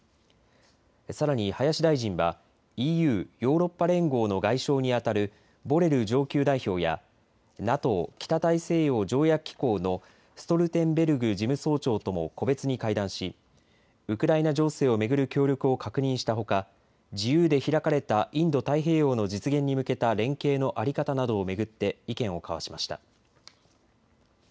さらに林大臣はＥＵ・ヨーロッパ連合の外相にあたるボレル上級代表やＮＡＴＯ・北大西洋条約機構のストルテンベルグ事務総長とも個別に会談しウクライナ情勢を巡る協力を確認したほか自由で開かれたインド太平洋の実現に向けた連携の在り方などを巡って意見を交わしました。